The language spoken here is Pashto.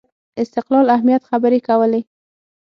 استقلال اهمیت خبرې کولې